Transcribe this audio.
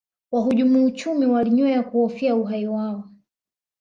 wahujumu uchumi walinywea walihofia uhai wao